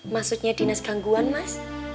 maksudnya dinas gangguan mas